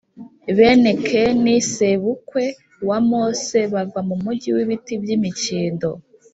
bene keni,+ sebukwe wa mose,+ bava mu mugi w’ibiti by’imikindo+